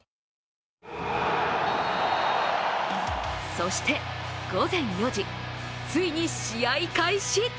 そして午前４時、ついに試合開始。